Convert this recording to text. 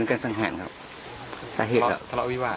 ก็ก็เราประสานทางข้างทางทางแนวชายแดนนะครับในการบูรณาการกำลังในทุกส่วนครับ